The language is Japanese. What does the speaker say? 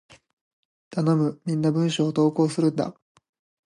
頼む！みんな文章を投稿するんだ！